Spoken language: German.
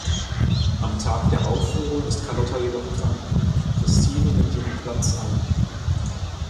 Am Tag der Aufführung ist Carlotta jedoch krank; Christine nimmt ihren Platz ein.